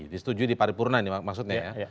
disetujui di paripurnan maksudnya ya